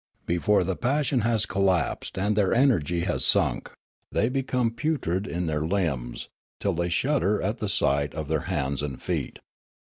Before the passion has collapsed and their energy has sunk, 400 Riallaro they become putrid in their limbs, till thej shudder at the sight of their hands and feet.